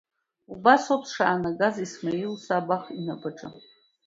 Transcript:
Убас ауп сшаанагаз Исмаил Сабах инапаҿы.